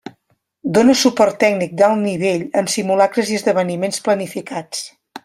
Dóna suport tècnic d'alt nivell en simulacres i esdeveniments planificats.